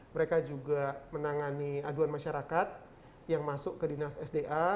mereka juga menangani aduan masyarakat yang masuk ke dinas sda